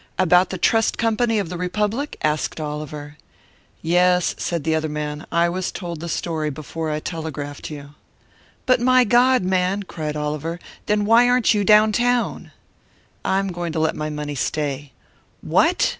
"About the Trust Company of the Republic?" asked Oliver. "Yes," said the other. "I was told the story before I telegraphed you." "But my God, man," cried Oliver "then why aren't you down town?" "I'm going to let my money stay." "What?"